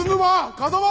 風間！